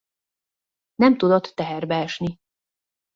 Nem tudott teherbe esni.